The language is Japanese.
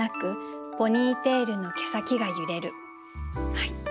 はい。